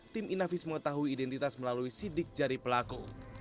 tim inavis mengetahui identitas melalui sidik jari pelaku